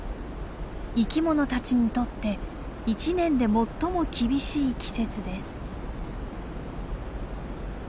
生き物たちにとって一年で最も厳しい季節です。